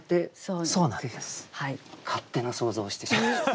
勝手な想像をしてしまいました。